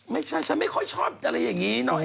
ไม่ใช่ฉันไม่ค่อยชอบอะไรอย่างนี้หน่อย